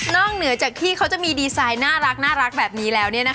เหนือจากที่เขาจะมีดีไซน์น่ารักแบบนี้แล้ว